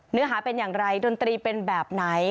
เนื้อหาเป็นอย่างไรดนตรีเป็นแบบไหน